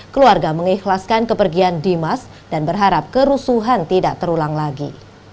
keluarga mengikhlaskan kepergian dimas dan berharap kerusuhan tidak terulang lagi